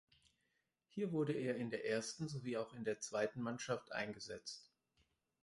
Hier wurde er in der ersten sowie auch in der zweiten Mannschaft eingesetzt.